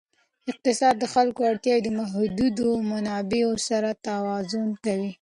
اقتصاد د خلکو اړتیاوې د محدودو منابعو سره توازن کوي.